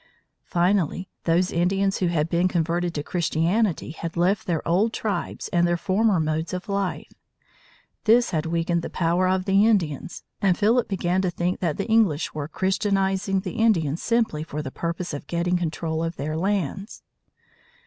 Finally, those Indians who had been converted to Christianity had left their old tribes and their former modes of life. This had weakened the power of the Indians, and Philip began to think that the English were Christianizing the Indians simply for the purpose of getting control of their lands.